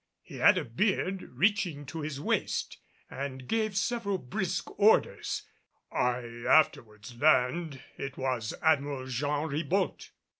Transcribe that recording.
He had a beard reaching to his waist and gave several brisk orders; I afterwards learned it was Admiral Jean Ribault.